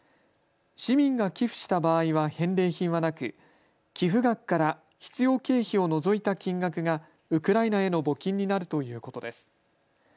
市民が寄付した場合は返礼品はなく寄付額から必要経費を除いた金額がウクライナへの募金になるということです。